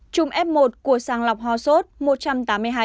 trùng f một của sàng lọc hò sốt một trăm tám mươi hai ca